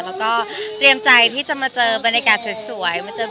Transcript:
แล้วก็เตรียมใจที่จะมาเจอบรรยากาศสวยมาเจอวิวสวยที่บาหลีค่ะ